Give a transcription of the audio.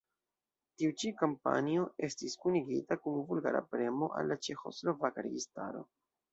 Tiu ĉi kampanjo estis kunigita kun vulgara premo al la ĉeĥoslovaka registaro.